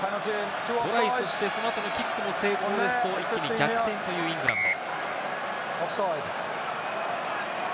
トライ、そして、その後のキック成功ですと、一気に逆転というイングランド。